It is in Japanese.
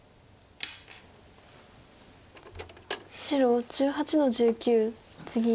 白１８の十九ツギ。